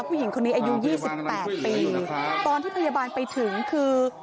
ผู้หญิงคนนี้อายุ๒๘ปีตอนที่พยาบาลไปถึงคือ